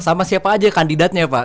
sama siapa aja kandidatnya pak